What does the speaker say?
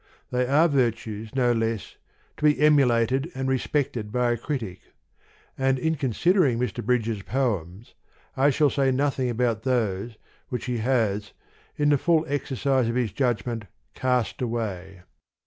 They are virtues, no less, to be emulated and re spected by a critic : and in considering Mr. Bridges' poems, I shall say nothing about those, which he has, in the full exercise of his judgment, cast away.